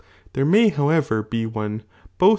There may however be one,* gitm.'